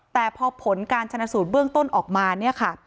แต่พอผลการชนะสูตรเบื้องต้นออกมาเนี่ยค่ะ